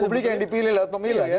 publik yang dipilih lewat pemilu ya